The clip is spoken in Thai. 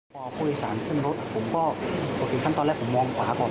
พอผู้โดยสารขึ้นรถผมก็ปกติขั้นตอนแรกผมมองขวาก่อน